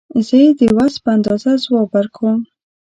زه یې د وس په اندازه ځواب ورکوم.